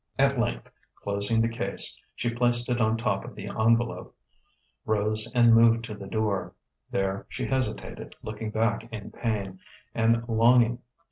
At length, closing the case, she placed it on top of the envelope, rose and moved to the door. There she hesitated, looking back in pain and longing.